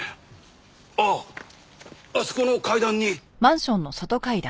あああそこの階段に。